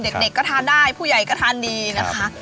เด็กก็ทานได้ผู้ใหญ่ก็ทานดีนะคะ